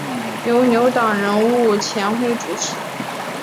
由牛党人物钱徽主持。